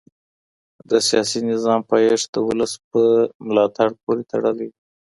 د سياسي نظام پايښت د ولس پر ملاتړ پوري تړلی دی.